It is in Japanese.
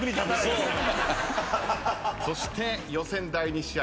そして予選第２試合